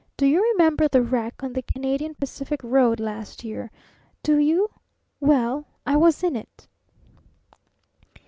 Do you remember the wreck on the Canadian Pacific Road last year? Do you? Well I was in it!"